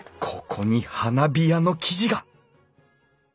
ここに花火屋の記事が。